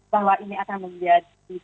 bahwa ini akan menjadi